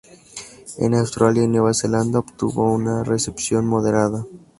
En Australia y Nueva Zelanda, obtuvo una recepción moderada.